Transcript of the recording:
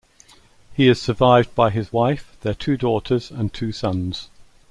He is survived by his wife, their two daughters and two sons.